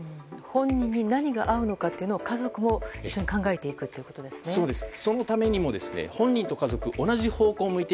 本人に何が合うのかを家族も一緒に考えるということですね。